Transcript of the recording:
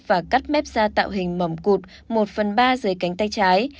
và cắt mép ra tạo hình mỏm cụt một phần ba dưới cánh tay trái